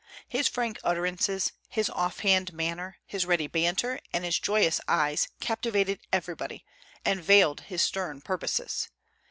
His frank utterances, his off hand manner, his ready banter, and his joyous eyes captivated everybody, and veiled his stern purposes.